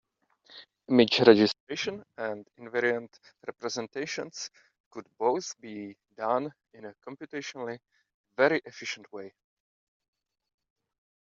Image registration and invariant representations could both be done in a computationally very efficient way.